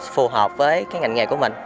phù hợp với cái ngành nghề của mình